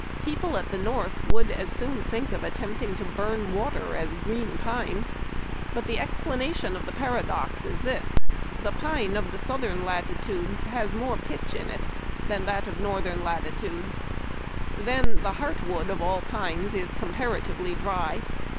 People at the North would as soon think of attempting to burn water as green pine. But the explanation of the paradox is this — the pine of southern latitudes has more pitch in it than that of northern latitudes. Then, the heart wood of all pines is comparatively dry.